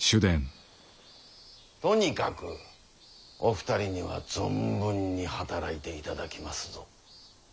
とにかくお二人には存分に働いていただきますぞ。